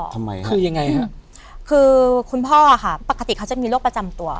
ทำไมคะคือยังไงฮะคือคุณพ่อค่ะปกติเขาจะมีโรคประจำตัว